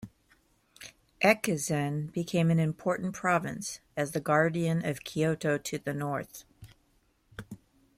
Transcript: Echizen became an important province, as the guardian of Kyoto to the North.